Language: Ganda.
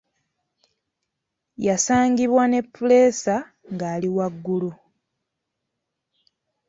Yasangibwa ne puleesa ng'ali waggulu.